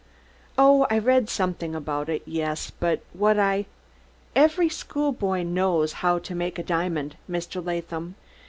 "Oh, I've read something about it, yes; but what I " "Every school boy knows how to make a diamond, Mr. Latham.